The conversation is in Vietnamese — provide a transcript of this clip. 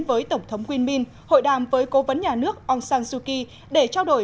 với tổng thống win min hội đàm với cố vấn nhà nước aung san suu kyi để trao đổi